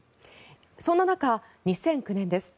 そんな中、２００９年です。